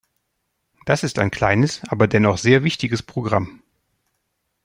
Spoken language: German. Das ist ein kleines, aber dennoch sehr wichtiges Programm.